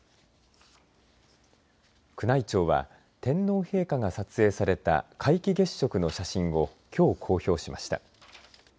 宮内庁は天皇陛下が撮影された皆既月食の写真をきょう公表しました。